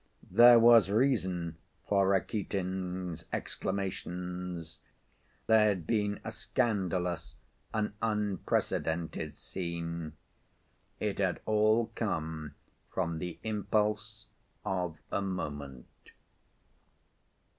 There was reason for Rakitin's exclamations. There had been a scandalous, an unprecedented scene. It had all come from the impulse of a moment.